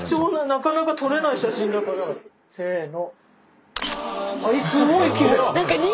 せの。